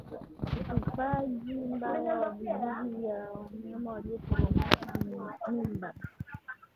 Utupaji mbaya wa vijusi vya wanyama walioporomosha mimba